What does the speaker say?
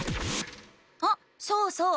あそうそう！